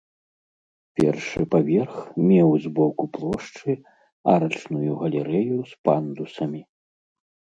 Першы паверх меў з боку плошчы арачную галерэю з пандусамі.